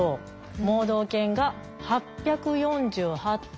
盲導犬が８４８頭。